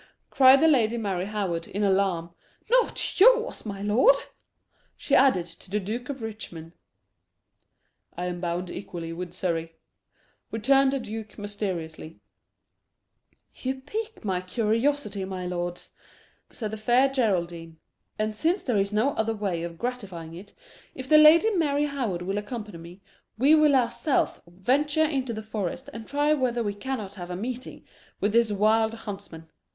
cried the Lady Mary Howard, in alarm; "nor yours, my lord?" she added to the Duke of Richmond. "I am bound equally with Surrey," returned the duke mysteriously "You pique my curiosity, my lords," said the Fair Geraldine; "and since there is no other way of gratifying it, if the Lady Mary Howard will accompany me, we will ourselves venture into the forest, and try whether we cannot have a meeting with this wild huntsman.